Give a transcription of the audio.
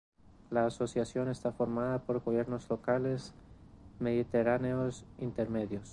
La Asociación está formada por gobiernos locales mediterráneos intermedios.